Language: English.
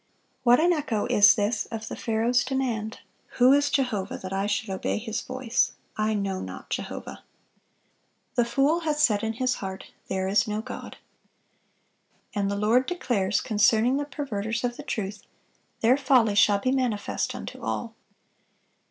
(401) What an echo is this of the Pharaoh's demand: "Who is Jehovah, that I should obey His voice?" "I know not Jehovah!" "The fool hath said in his heart, There is no God."(402) And the Lord declares concerning the perverters of the truth, "Their folly shall be manifest unto all."